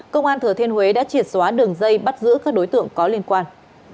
công an thừa thiên huế đã triệt xóa đường dây bắt giữ các đối tượng có liên quan